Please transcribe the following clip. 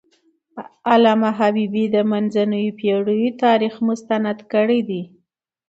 علامه حبيبي د منځنیو پېړیو تاریخ مستند کړی دی.